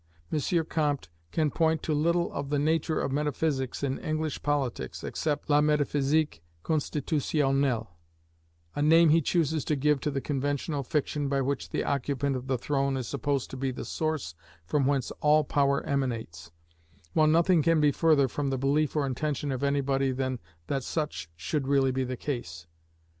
M. Comte can point to little of the nature of metaphysics in English politics, except "la métaphysique constitutionnelle," a name he chooses to give to the conventional fiction by which the occupant of the throne is supposed to be the source from whence all power emanates, while nothing can be further from the belief or intention of anybody than that such should really be the case.